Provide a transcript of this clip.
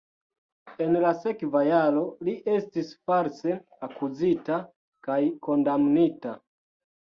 En la sekva jaro li estis false akuzita kaj kondamnita.